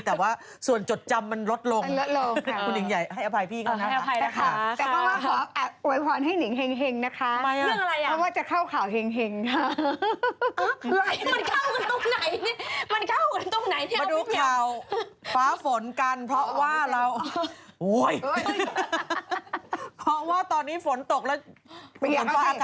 เอาว่าไม่ได้ทำอะไรเลยค่ะ